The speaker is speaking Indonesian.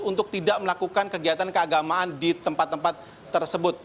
untuk tidak melakukan kegiatan keagamaan di tempat tempat tersebut